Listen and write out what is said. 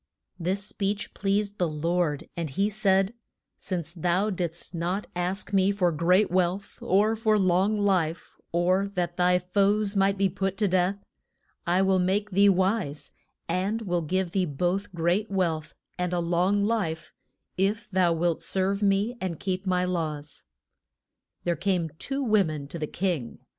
This speech pleased the Lord, and he said, Since thou didst not ask me for great wealth, or for long life, or that thy foes might be put to death, I will make thee wise, and will give thee both great wealth and a long life if thou wilt serve me and keep my laws. There came two wo men to the king.